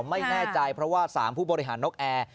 ไม่แน่ใจเพราะว่า๓ผู้บริหารนกแอร์